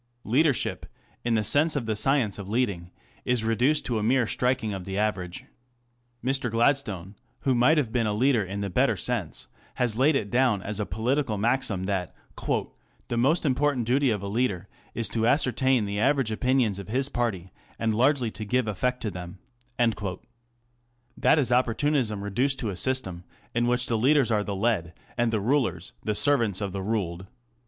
Leadership, in the sense of the science of leading, is reduced to a mere striking of the average. Mr. Gladstone, who might have been a leader in the better sense, has laid it down as a political maxim, that " the most important duty of a leader is to ascertain the average opinions of his party, and largely to give effect to them/' That is opportunism reduced to a system, in which the leaders are the led, and the rulers the servants of the ruled.